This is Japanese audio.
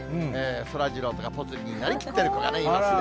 そらジローとかぽつリンになりきってる子がいますね。